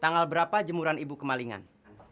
tanggal berapa jemuran ibu kemalingan